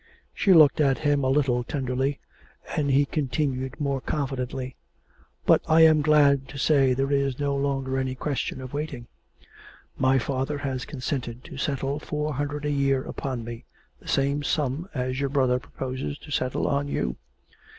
She looked at him a little tenderly, and he continued more confidently. 'But I'm glad to say there is no longer any question of waiting. My father has consented to settle four hundred a year upon me, the same sum as your brother proposes to settle on you.